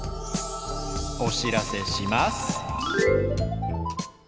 おしらせします。